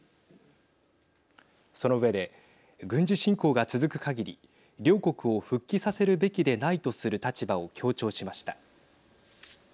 その上で軍事侵攻が続くかぎり両国を復帰させるべきでないとする立場を強調しました。